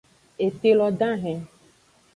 Ete lo dahen.